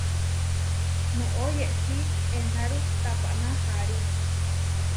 Noʼó yeči enáru tapaná aarí.